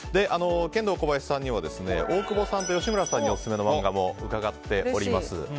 ケンドーコバヤシさんには大久保さんと吉村さんにオススメの漫画も伺っております。